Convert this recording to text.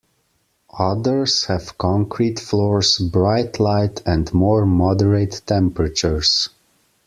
Others have concrete floors, bright light, and more moderate temperatures.